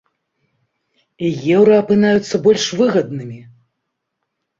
І еўра апынаюцца больш выгаднымі!